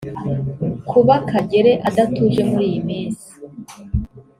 Kuba Kagere adatuje muri iyi minsi